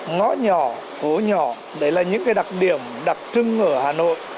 ngõ nhỏ phố nhỏ đấy là những đặc điểm đặc trưng ở hà nội